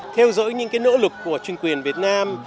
theo dõi những nỗ lực của chính quyền việt nam